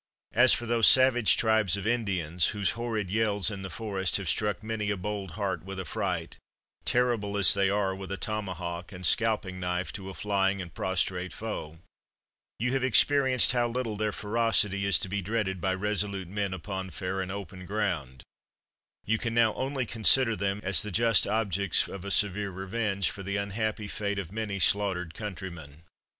As for those savage tribes of Indians, whose hor rid yells in the forest have struck many a bold heart with affright, terrible as they are with a tomahawk and scalping knife to a flying and prostrate foe, you have experienced how little their ferocity is to be dreaded by resolute men upon fair and open ground: you can now only consider them as the just objects of a severe re venge for the unhappy fate of many slaughtered countrymen.